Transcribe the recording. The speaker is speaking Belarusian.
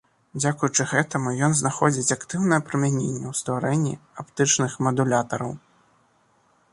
Дзякуючы гэтаму ён знаходзіць актыўнае прымяненне ў стварэнні аптычных мадулятараў.